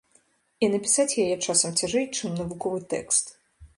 І напісаць яе, часам, цяжэй, чым навуковы тэкст.